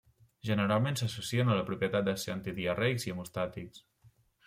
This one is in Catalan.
Generalment s'associen a la propietat de ser antidiarreics i hemostàtics.